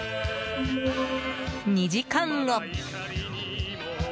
２時間後。